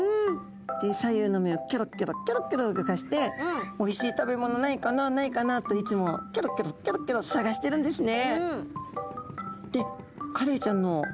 左右の目をキョロキョロキョロキョロ動かしておいしい食べ物ないかなないかなといつもキョロキョロキョロキョロ探してるんですね。